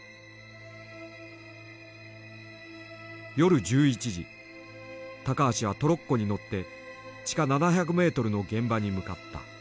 夜１１時高橋はトロッコに乗って地下７００ｍの現場に向かった。